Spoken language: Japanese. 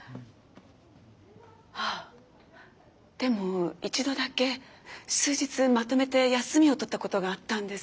あでも一度だけ数日まとめて休みを取ったことがあったんです。